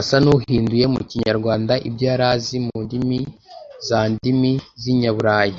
Asa n’uhinduye mu Kinyarwanda ibyo yari azi mu ndimi za ndimi z’inyaburayi.